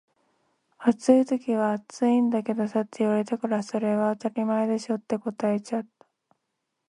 「暑い時は暑いんだけどさ」って言われたから「それ当たり前でしょ」って答えちゃった